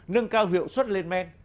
nâng cao hiệu suất lên men